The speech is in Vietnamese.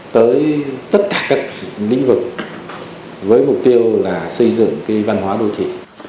tới tất cả các lĩnh vực với mục tiêu là xây dựng văn hóa đô thị